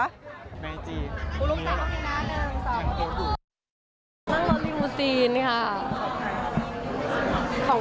นั่งรถมิมูซีนค่ะ